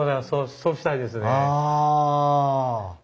そうしたいですね。